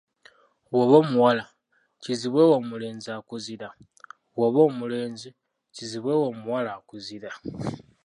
Bw’oba omuwala, kizibwe wo omulenzi akuzira, bw’oba omulenzi, kizibwe wo omuwala akuzira.